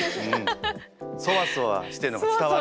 そわそわしてるのが伝わる。